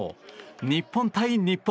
日本対日本。